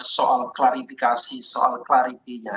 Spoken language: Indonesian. soal klarifikasi soal klarifikasinya